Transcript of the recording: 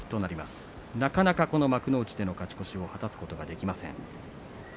東龍、なかなか幕内での勝ち越しを果たすことができません。